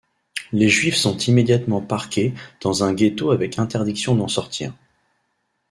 Les Juifs sont immédiatement parqués dans un ghetto avec interdiction d'en sortir.